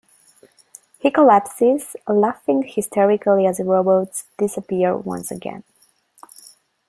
He collapses, laughing hysterically as robots disappear once again.